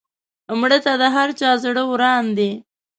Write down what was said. مړه ته د هر چا زړه وران دی